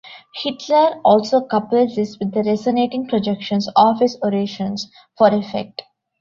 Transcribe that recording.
Hitler also coupled this with the resonating projections of his orations for effect.